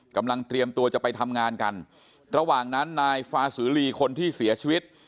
เตรียมตัวจะไปทำงานกันระหว่างนั้นนายฟาสือลีคนที่เสียชีวิต